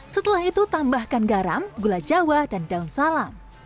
setelah itu tambahkan garam gula jawa dan daun salam